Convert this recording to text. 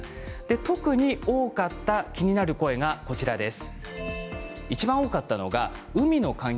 特に多かった気になる声がこちらです。